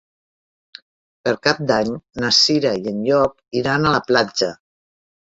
Per Cap d'Any na Cira i en Llop iran a la platja.